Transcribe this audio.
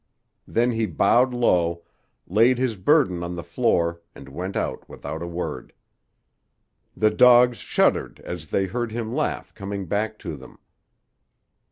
Then he bowed low, laid his burden on the floor and went out without a word. The dogs shuddered as they heard him laugh coming back to them.